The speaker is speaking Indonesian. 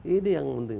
ini yang penting